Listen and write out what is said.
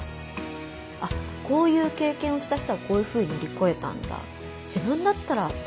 あっこういう経験をした人はこういうふうに乗り越えたんだ。